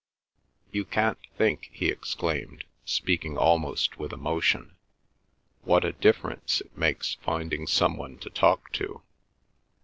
"You can't think," he exclaimed, speaking almost with emotion, "what a difference it makes finding someone to talk to!